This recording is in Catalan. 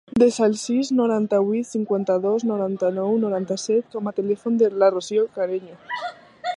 Desa el sis, noranta-vuit, cinquanta-dos, noranta-nou, noranta-set com a telèfon de la Rocío Carreño.